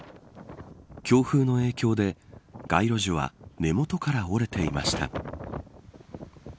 強風の影響で街路樹は根元から折れていました。